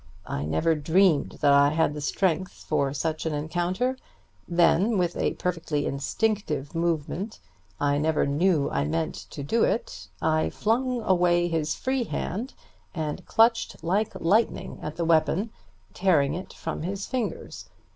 I never dreamed that I had the strength for such an encounter. Then, with a perfectly instinctive movement I never knew I meant to do it I flung away his free hand and clutched like lightning at the weapon, tearing it from his fingers.